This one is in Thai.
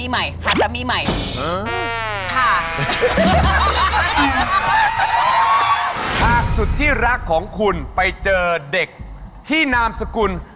หากสุดที่รักของคุณไปเจอเด็กที่นามสกุล